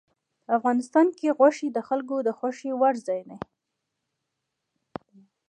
افغانستان کې غوښې د خلکو د خوښې وړ ځای دی.